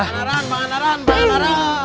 manaran manaran manaran